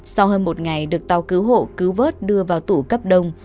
sau hơn một ngày được tàu cứu hộ cứu vớt đưa vào tủ cấp đông